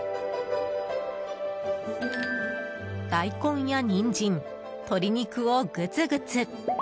大根やニンジン、鶏肉をぐつぐつ。